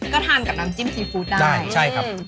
ก็ทานกับน้ำจิ้มซีฟู้ดได้ใช่ครับ